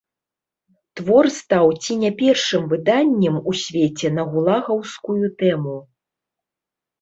Твор стаў ці не першым выданнем у свеце на гулагаўскую тэму.